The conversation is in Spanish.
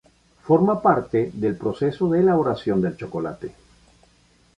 Forma parte del proceso de elaboración del chocolate.